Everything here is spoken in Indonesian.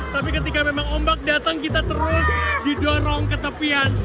tapi ketika memang ombak datang kita terus didorong ke tepian